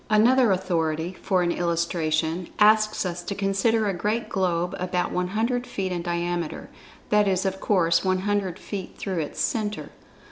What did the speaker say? Another authority, for an illustration, asks us to consider a great globe about 100 feet in diameter—that is, of course, 100 feet through its centre.